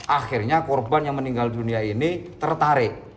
akhirnya korban yang meninggal dunia ini tertarik